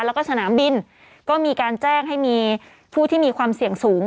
แล้วก็สนามบินก็มีการแจ้งให้มีผู้ที่มีความเสี่ยงสูง